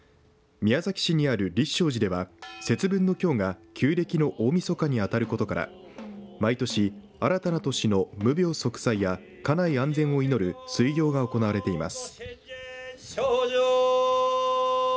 宮崎市にある立正寺では節分のきょうが旧暦の大みそかに当たることから毎年、新たな年の無病息災や家内安全を祈る水行が行われています。